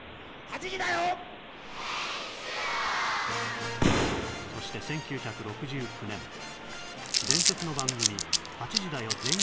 全員集合そして１９６９年伝説の番組「８時だョ！